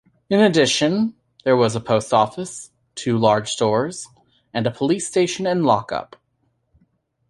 In addition there was a post-office, two large stores, and a police-station and lock-up.